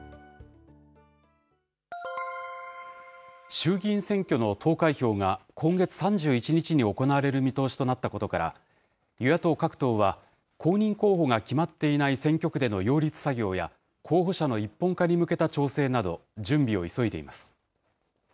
衆議院選挙の投開票が今月３１日に行われる見通しとなったことから、与野党各党は、公認候補が決まっていない選挙区での擁立作業や、候補者の一本化に向けた調整など、準備を急いでいます。